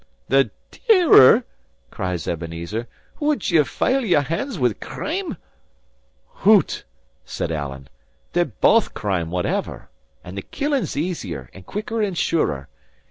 "The dearer?" cries Ebenezer. "Would ye fyle your hands wi' crime?" "Hoot!" said Alan, "they're baith crime, whatever! And the killing's easier, and quicker, and surer.